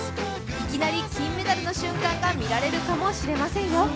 いきなり金メダルの瞬間が見られるかもしれませんよ。